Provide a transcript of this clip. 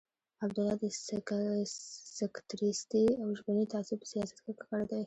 عبدالله د سکتریستي او ژبني تعصب په سیاست کې ککړ دی.